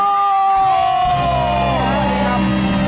สวัสดีครับ